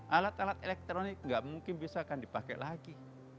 alat alat elektronik tidak mungkin bisa dipakai lagi